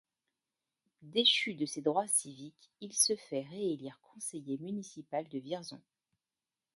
Déchu de ses droits civiques, il se fait réélire conseiller municipal de Vierzon.